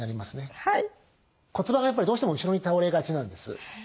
骨盤がやっぱりどうしても後ろに倒れがちなんです。